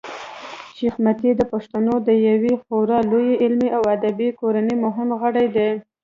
شېخ متي د پښتنو د یوې خورا لويي علمي او ادبي کورنۍمهم غړی دﺉ.